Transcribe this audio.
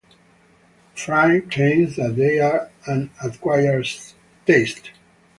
Fry claims that they are an acquired taste.